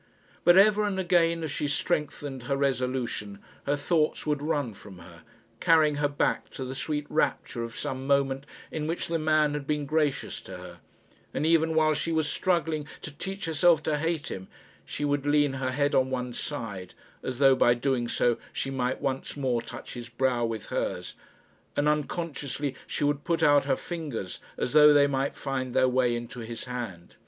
But ever and again as she strengthened her resolution, her thoughts would run from her, carrying her back to the sweet rapture of some moment in which the man had been gracious to her; and even while she was struggling to teach herself to hate him, she would lean her head on one side, as though by doing so she might once more touch his brow with hers; and unconsciously she would put out her fingers, as though they might find their way into his hand.